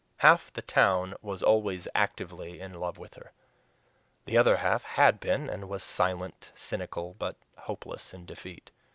Half the town was always actively in love with her; the other half HAD BEEN, and was silent, cynical, but hopeless in defeat.